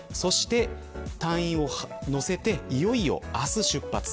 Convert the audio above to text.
そして隊員を乗せていよいよ明日出発。